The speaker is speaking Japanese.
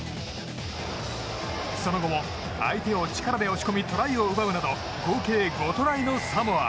その後も、相手を力で押し込みトライを奪うなど合計５トライのサモア。